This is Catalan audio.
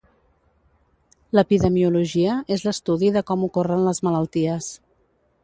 L'epidemiologia és l'estudi de com ocorren les malalties.